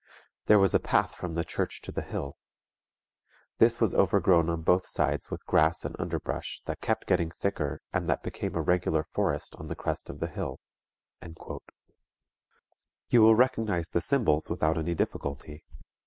There was a path from the church to the hill. This was overgrown on both sides with grass and underbrush that kept getting thicker and that became a regular forest on the crest of the hill._" You will recognize the symbols without any difficulty.